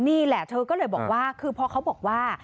นี่แหละเธอก็เลยบอกว่าคือพอเขาบอกว่า